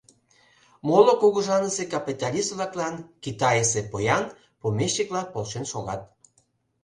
Моло кугыжанышысе капиталист-влаклан Китайысе поян, помещик-влак полшен шогат.